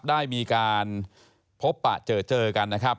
ได้มีการพบปะเจอเจอกันนะครับ